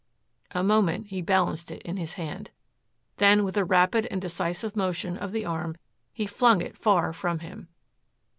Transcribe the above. A moment he balanced it in his hand. Then with a rapid and decisive motion of the arm he flung it far from him.